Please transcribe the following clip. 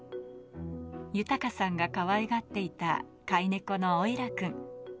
豊さんがかわいがっていた飼い猫のオイラ君。